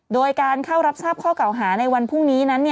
โดยการเข้ารับทราบข้อเก่าหาในวันพรุ่งนี้นั้น